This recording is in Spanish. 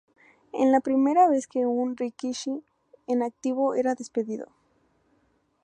Era la primera vez que un "rikishi" en activo era despedido.